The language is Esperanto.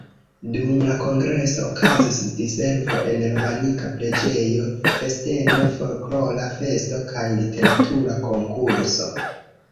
Dum la kongreso okazis diservo en romanika preĝejo, festeno, folklora festo kaj literatura konkurso.